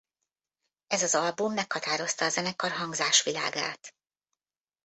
Ez az album meghatározta a zenekar hangzásvilágát.